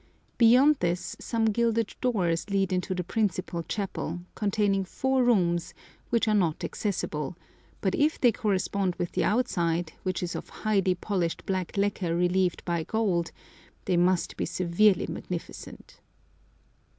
Beyond this some gilded doors lead into the principal chapel, containing four rooms which are not accessible; but if they correspond with the outside, which is of highly polished black lacquer relieved by gold, they must be severely magnificent.